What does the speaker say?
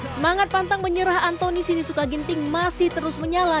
semangat pantang menyerah antoni sinisuka ginting masih terus menyala